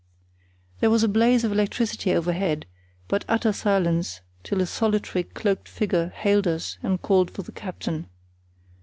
There was a blaze of electricity overhead, but utter silence till a solitary cloaked figure hailed us and called for the captain.